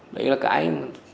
đấy là cái